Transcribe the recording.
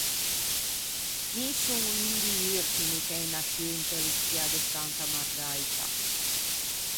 Mi son un di urtimi ch'en nasciui inte l'ospiâ de Santa Margaita.